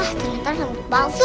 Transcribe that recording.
ah ternyata rambut balsu